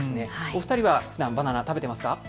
お二人はふだんバナナ食べてますか。